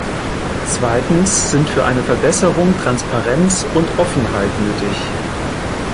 Zweitens sind für eine Verbesserung Transparenz und Offenheit nötig.